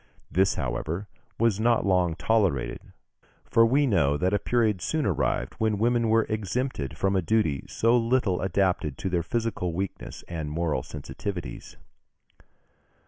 This, however, was not long tolerated, for we know that a period soon arrived when women were exempted from a duty so little adapted to their physical weakness and moral sensitiveness.